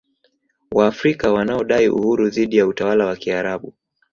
Waafrika wanaodai uhuru dhidi ya utawala wa Kiarabu